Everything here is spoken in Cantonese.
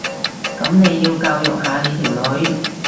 噉你要教育下你條女